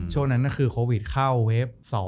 ช่วงนั้นคือโควิดเข้าเว็บ๒